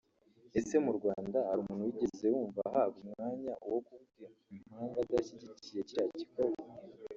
Ese mu Rwanda hari umuntu wigeze wumva ahabwa umwanya wo kuvuga impamvu adashyigikiye kiriya gikorwa